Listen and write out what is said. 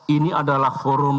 ini adalah forum